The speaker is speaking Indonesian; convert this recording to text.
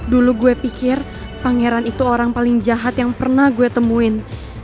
dulu gue pikir pangeran itu orang paling jahat yang pernah gue temuin